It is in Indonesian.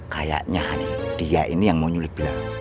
kayaknya nih dia ini yang mau nyulik bila lo